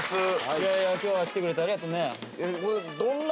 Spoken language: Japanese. いやいや今日は来てくれてありがとね。